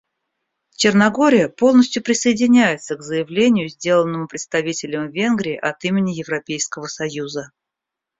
Черногория полностью присоединяется к заявлению, сделанному представителем Венгрии от имени Европейского союза.